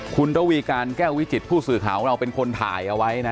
คุณระวีการแก้ววิจิตผู้สื่อข่าวของเราเป็นคนถ่ายเอาไว้นะ